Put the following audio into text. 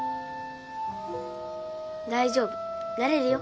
大丈夫なれるよ。